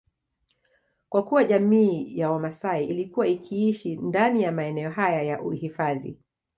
Kwa kuwa jamii ya wamaasai ilikuwa ikiishi ndani ya maeneo haya ya uhifadhi